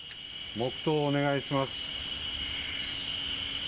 黙とうをお願いします。